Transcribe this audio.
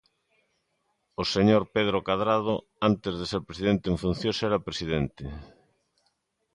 O señor Pedro Cadrado antes de ser presidente en funcións era presidente.